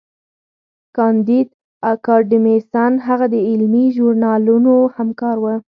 کانديد اکاډميسن هغه د علمي ژورنالونو همکار و.